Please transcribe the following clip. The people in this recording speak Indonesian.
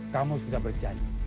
kamu sudah berjanji